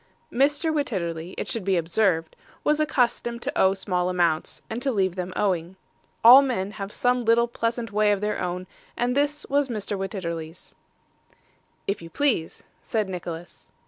Mr. Wititterly, it should be observed, was accustomed to owe small accounts, and to leave them owing. All men have some little pleasant way of their own; and this was Mr. Wititterly's. 'If you please,' said Nicholas.